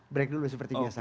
break dulu seperti biasa